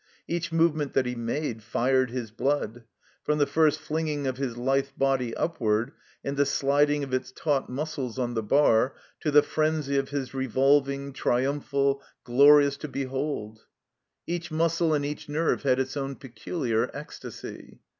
Each movement that he made fired his blood; from the first flinging of his lithe body up ward, and the sliding of its taut muscles on the bar, to the frenzy of his revolving, triumphal, glorious to 80 THE COMBINED MAZE behold. Each muscle and each nerve had its own peculiar ecstasy.